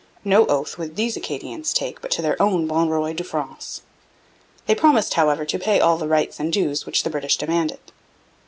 No oath would these Acadians take but to their own Bon Roy de France. They promised, however, to pay all the rights and dues which the British demanded.